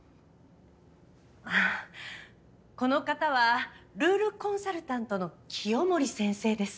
この方はルールコンサルタントの清守先生です。